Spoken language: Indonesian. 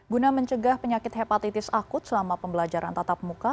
guna mencegah penyakit hepatitis akut selama pembelajaran tatap muka